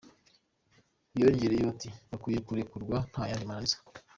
Yongeyeho ati: "Bakwiye kurekurwa nta yandi mananiza".